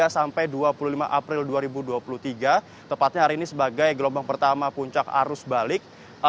tiga sampai dua puluh lima april dua ribu dua puluh tiga tepatnya hari ini sebagai gelombang pertama puncak arus balik